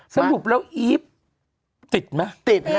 สมมุติแล้วอีฟติดไหม